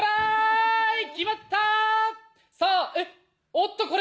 おっとこれは？